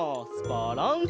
バランス！